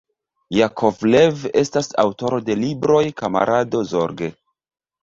Jakovlev estas aŭtoro de libroj "Kamarado Zorge.